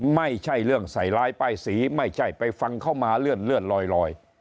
ไม่ใช่เรื่องใส่ร้ายป้ายสีไม่ใช่ไปฟังเขามาเลื่อนลอย